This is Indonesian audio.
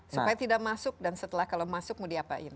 supaya tidak masuk dan setelah kalau masuk mau diapain